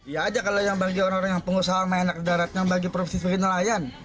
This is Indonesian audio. ya aja kalau yang bagi orang orang yang pengusaha main anak darat yang bagi profesi sebagai nelayan